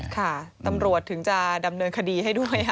ค่ะตำรวจถึงจะดำเนินคดีให้ด้วยค่ะ